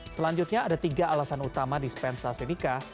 selanjutnya ada tiga alasan utama dispensasi nikah